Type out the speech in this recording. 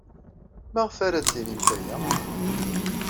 Maɣef ara d-tinimt aya?